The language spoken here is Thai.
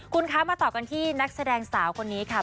คุณคะมาต่อกันที่นักแสดงสาวคนนี้ค่ะ